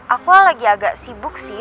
aku lagi agak sibuk sih